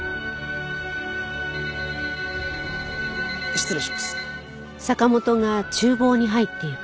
失礼します。